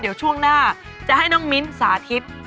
เดี๋ยวช่วงหน้าจะให้น้องมิ้นสาธิต